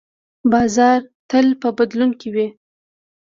بازار تل په بدلون کې وي.